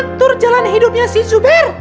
mengatur jalan hidupnya si zuber